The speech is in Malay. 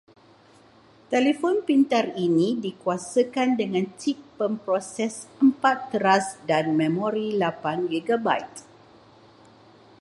Telefon pintar ini dikuasakan dengan chip pemproses empat teras dan memori lapan gigabait.